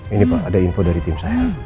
ini pak ada info dari tim saya